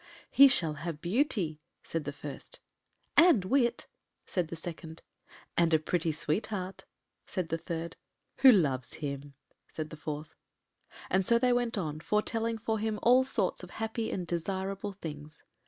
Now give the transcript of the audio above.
“He shall have beauty,” said the first. “And wit,” said the second. “And a pretty sweetheart,” said the third; “who loves him,” said the fourth. And so they went on, foretelling for him all sorts of happy and desirable things.